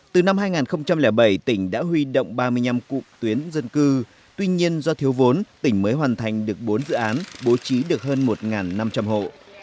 từ năm hai nghìn bảy tỉnh đã huy động ba mươi năm cụm tuyến dân cư tuy nhiên do thiếu vốn tỉnh mới hoàn thành được bốn dự án bố trí được hơn một năm trăm linh hộ